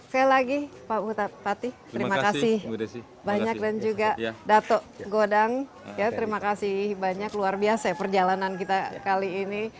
sekali lagi pak bupati terima kasih banyak dan juga dato godang ya terima kasih banyak luar biasa ya perjalanan kita kali ini